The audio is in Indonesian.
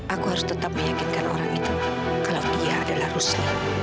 aku harus tetap meyakinkan orang itu kalau dia adalah rusia